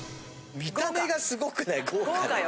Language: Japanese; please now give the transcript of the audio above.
見た目がすごくない？